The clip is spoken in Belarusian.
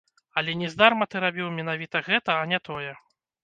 Але нездарма ты рабіў менавіта гэта, а не тое.